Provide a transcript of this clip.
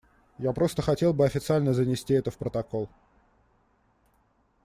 Я просто хотел бы официально занести это в протокол.